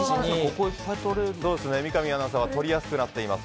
三上アナウンサーは取りやすくなっています。